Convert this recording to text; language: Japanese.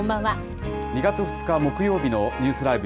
２月２日木曜日のニュースＬＩＶＥ！